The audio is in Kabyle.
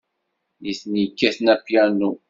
Nitni kkaten apyanu.